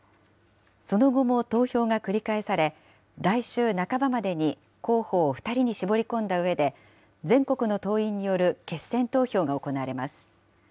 その後も投票が繰り返され、来週半ばまでに候補を２人に絞り込んだうえで、全国の党員による決選投票が行われます。